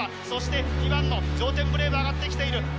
そして２番のジョウテンブレーヴ上がってきている。